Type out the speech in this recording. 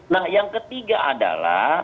nah yang ketiga adalah